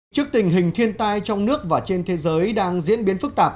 trước tình hình thiên tai trong nước và trên thế giới đang diễn biến phức tạp